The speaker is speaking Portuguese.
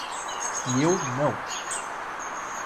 E eu não!